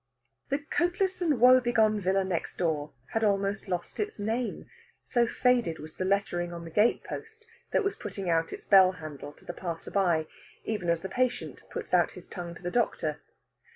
The coatless and woe begone villa next door had almost lost its name, so faded was the lettering on the gate post that was putting out its bell handle to the passer by, even as the patient puts out his tongue to the doctor.